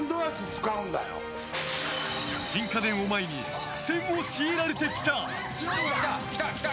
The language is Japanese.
新家電を前に苦戦を強いられてきた。